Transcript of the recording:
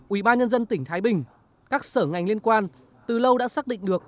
ủy ban nhân dân tỉnh thái bình các sở ngành liên quan từ lâu đã xác định được